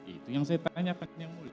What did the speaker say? itu yang saya tanyakan ke nya mulia